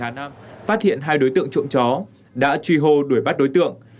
hà nam phát hiện hai đối tượng trộm chó đã truy hô đuổi bắt đối tượng